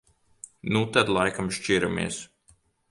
Nu tad laikam šķiramies.